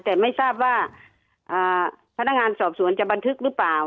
แต่ไม่ทราบว่าพนักงานสอบสวนจะบันทึกหรือเปล่า